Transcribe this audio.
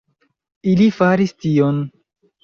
Ili faris tion!